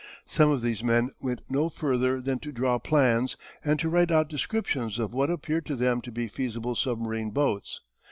Some of these men went no further than to draw plans and to write out descriptions of what appeared to them to be feasible submarine boats.